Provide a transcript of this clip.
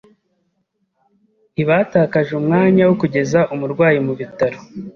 Ntibatakaje umwanya wo kugeza umurwayi mu bitaro.